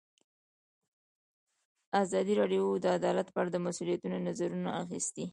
ازادي راډیو د عدالت په اړه د مسؤلینو نظرونه اخیستي.